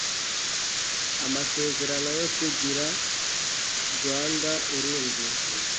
amasezerano yo kugira rwanda-urundi